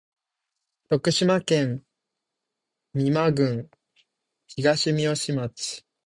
徳島県美馬郡東みよし町